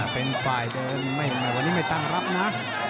เป็นฝ่ายเดิมวันนี้ไม่ตั้งรับนะ